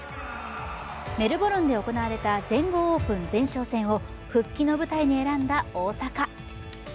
メルボルンで行われた全豪オープン前哨戦を復帰の舞台に選んだ大坂。